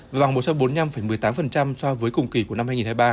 và bằng một trăm bốn mươi năm một mươi tám so với cùng kỳ của năm hai nghìn hai mươi ba